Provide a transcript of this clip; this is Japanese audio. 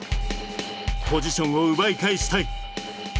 ポジションを奪い返したい。